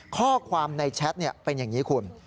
ข้อความในแชทเป็นอย่างนี้คุณ